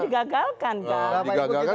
dan itu digagalkan